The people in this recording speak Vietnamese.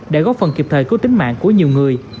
để góp phần kịp thời cứu tính mạng của nhiều người